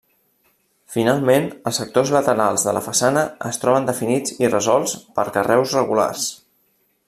Finalment, els sectors laterals de la façana, es troben definits i resolts per carreus regulars.